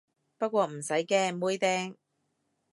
不過唔使驚，妹釘